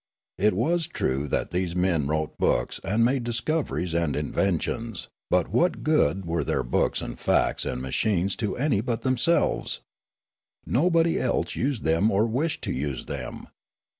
It was true that these men wrote books and made discoveries and inventions ; but what good were their books and facts and machines to any but themselves ? Nobody else used them or wished to use them.